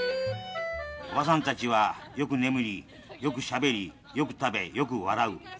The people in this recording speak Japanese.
おばさんたちはよく眠り、よくしゃべり、よく食べ、よく笑う。